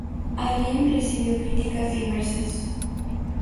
Alien recibió críticas diversas.